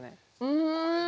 うん。